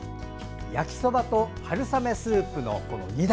焼きそばと春雨スープの２題。